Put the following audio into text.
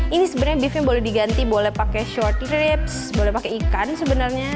ini sebenarnya beefnya boleh diganti boleh pakai short rips boleh pakai ikan sebenarnya